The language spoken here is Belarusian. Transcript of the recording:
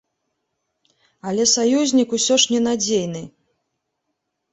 Але саюзнік усё ж ненадзейны.